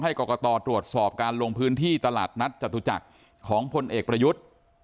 กรกตตรวจสอบการลงพื้นที่ตลาดนัดจตุจักรของพลเอกประยุทธ์